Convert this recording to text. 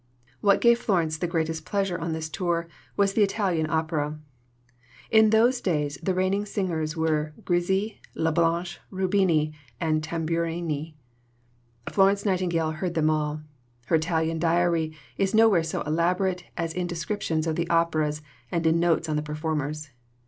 What gave Florence the greatest pleasure on this tour was the Italian opera. In those days the reigning singers were Grisi, Lablache, Rubini, and Tamburini. Florence Nightingale heard them all. Her Italian diary is nowhere so elaborate as in descriptions of the operas and in notes on the performers.